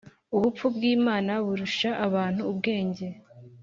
ubupfu bw’Imana burusha abantu ubwenge